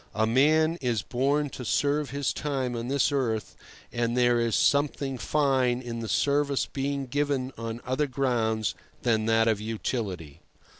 A man is born to serve his time on this earth, and there is something fine in the service being given on other grounds than that of utility.